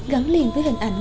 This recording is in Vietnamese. gắn liền với hình ảnh